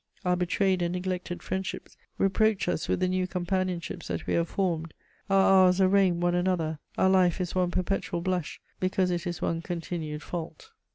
Our betrayed and neglected friendships reproach us with the new companionships that we have formed; our hours arraign one another: our life is one perpetual blush, because it is one continued fault.